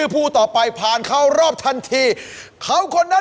ผู้เข้าแข่งขันทั้ง๔ท่าน